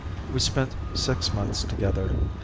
We spent six months together.